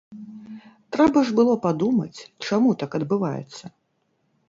Трэба ж было падумаць, чаму так адбываецца?